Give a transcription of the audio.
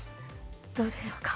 どうでしょうか。